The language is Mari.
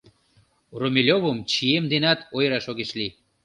Румелёвым чием денат ойыраш огеш лий.